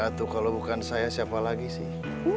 ya tuh kalo bukan saya siapa lagi sih